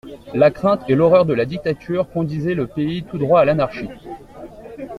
La crainte et l'horreur de la dictature conduisaient le pays tout droit à l'anarchie.